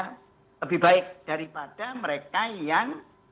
karena lebih baik daripada mereka yang